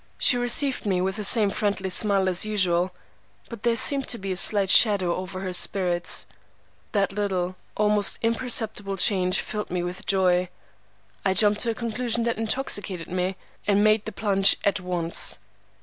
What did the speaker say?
She received me with the same friendly smile as usual, but there seemed to be a slight shadow over her spirits. That little, almost imperceptible change filled me with joy. I jumped to a conclusion that intoxicated me, and made the plunge at once.